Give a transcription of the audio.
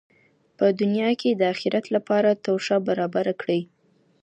په دنیا کي د اخرت لپاره توښه برابره کړئ.